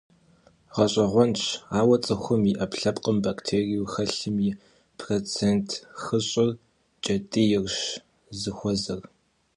Гъэщӏэгъуэнщ, ауэ цӏыхум и ӏэпкълъэпкъым бактериеу хэлъым и процент хыщӏыр кӏэтӏийрщ зыхуэзэр.